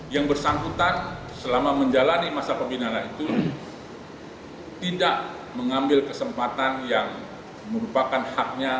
yang bersangkutan selama menjalani masa pembinaan itu tidak mengambil kesempatan yang merupakan haknya